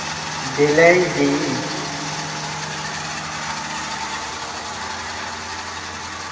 بیلأئی دیئ۔